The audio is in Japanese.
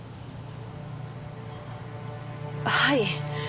はい。